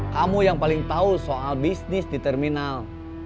kamu yang paling tahu soal bisnis di terminal